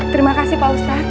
terima kasih pak ustad